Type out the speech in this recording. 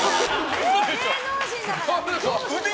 芸能人だから！